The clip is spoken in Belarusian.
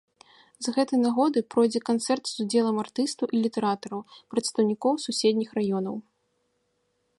З гэтай нагоды пройдзе канцэрт з удзелам артыстаў і літаратараў, прадстаўнікоў суседніх раёнаў.